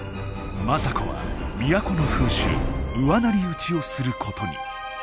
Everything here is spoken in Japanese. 政子は都の風習後妻打ちをすることに。